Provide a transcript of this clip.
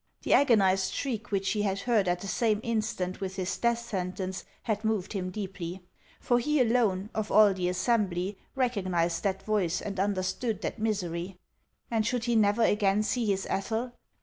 The agonized shriek which he had heard at the same instant with his death sentence had moved him deeply ; for he alone, of all the assembly, recognized that voice and understood that misery. And should he never again see his Ethel